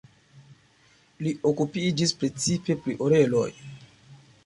Li okupiĝis precipe pri oreloj.